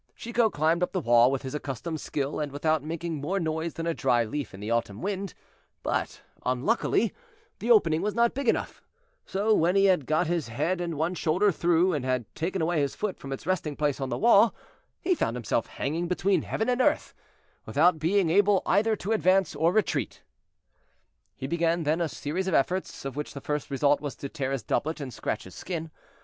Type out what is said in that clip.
Chicot climbed up the wall with his accustomed skill, and without making more noise than a dry leaf in the autumn wind; but unluckily, the opening was not big enough, so when he had got his head and one shoulder through, and had taken away his foot from its resting place on the wall, he found himself hanging between heaven and earth, without being able either to advance or retreat. He began then a series of efforts, of which the first result was to tear his doublet and scratch his skin.